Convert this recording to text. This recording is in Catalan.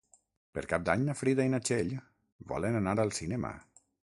Per Cap d'Any na Frida i na Txell volen anar al cinema.